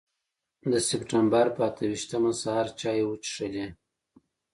د سپټمبر پر اته ویشتمه سهار چای وڅښلې.